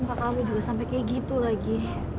kakak kamu juga sampai kayak gitu lagi